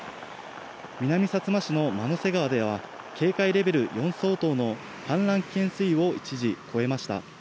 南さつま市の万之瀬川では警戒レベル４相当の氾濫危険水位を一時、超えました。